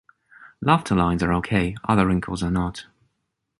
Laughter lines are okay, other wrinkles are not.